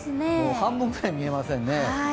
半分くらい見えませんね。